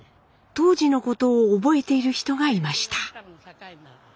当時のことを覚えている人がいました。